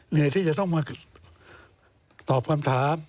เหนื่อยที่จะต้องมาตอบคำถาม